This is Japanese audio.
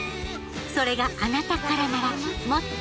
それがあなたからならもっと